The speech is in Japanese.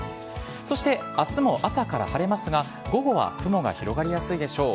そして明日も朝から晴れますが午後は雲が広がりやすいでしょう。